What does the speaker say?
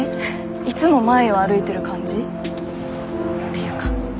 いつも前を歩いてる感じっていうか。